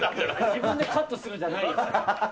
自分でカットするんじゃないよ。